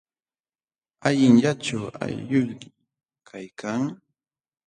¿Allinllachum aylluyki kaykan?